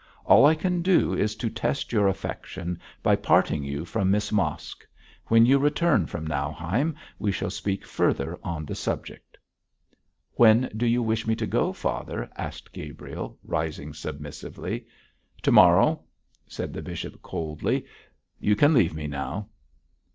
All I can do is to test your affection by parting you from Miss Mosk. When you return from Nauheim we shall speak further on the subject.' 'When do you wish me to go, father?' asked Gabriel, rising submissively. 'To morrow,' said the bishop, coldly. 'You can leave me now.'